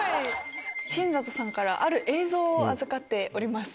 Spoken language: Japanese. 新里さんからある映像を預かっております。